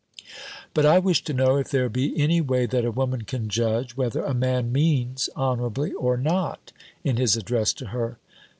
"But I wish to know if there be any way that a woman can judge, whether a man means honourably or not, in his address to her!"